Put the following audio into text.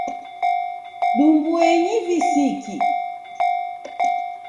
Dumbueni visiki